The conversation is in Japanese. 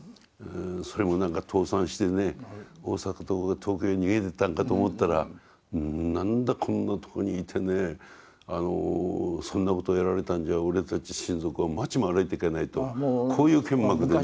それも何か倒産してね大阪とか東京へ逃げてったんかと思ったら何だこんなとこにいてねそんなことをやられたんじゃ俺たち親族は街も歩いていけないとこういうけんまくでね。